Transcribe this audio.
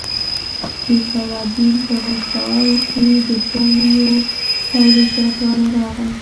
د کارابین په مستعمرو کې د ګنیو تولید زیاتوالی راغی.